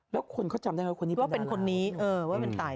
แล้วคนเขาจำได้ว่าคนนี้เป็นดาราธรรม